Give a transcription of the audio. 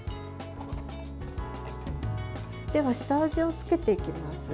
では、下味をつけていきます。